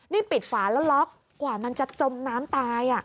นี่ปิดฝาแล้วล็อกกว่ามันจะจมน้ำตาย